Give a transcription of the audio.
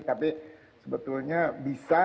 tapi sebetulnya bisa